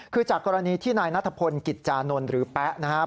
คือจากกรณีที่นายนัทพลกิจจานนท์หรือแป๊ะนะครับ